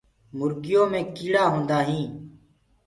مرجو مي ڪيڙآ هوندآ هين۔